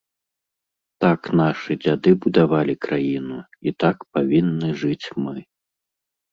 Так нашы дзяды будавалі краіну, і так павінны жыць мы.